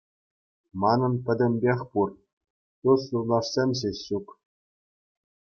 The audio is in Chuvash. Манӑн пӗтӗмпех пур, тус-юлташсем ҫеҫ ҫук.